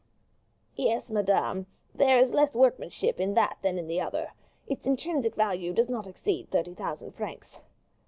"Yes, madame; there is less workmanship in that than in the other. Its intrinsic value does not exceed thirty thousand francs."